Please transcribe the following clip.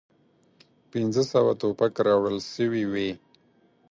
پنځه سوه توپک راوړل سوي وې.